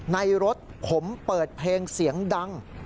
รถผมเปิดเพลงเสียงดัง